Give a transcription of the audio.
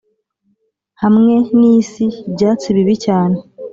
hamwe n'isi ibyatsi bibi cyane